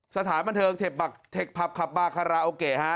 สถานพันธ์เทคพรรคบขาปราคาระโอเค